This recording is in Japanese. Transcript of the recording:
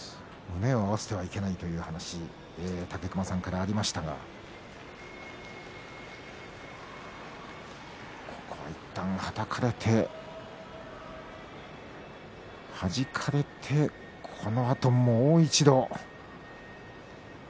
胸を合わせてはいけないという話が武隈さんからありましたがいったん、はたかれてはじかれて、そのあともう一度。